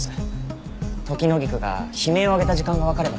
トキノギクが悲鳴を上げた時間がわかれば。